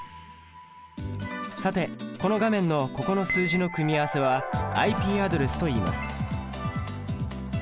さてこの画面のここの数字の組み合わせはＩＰアドレスといいます。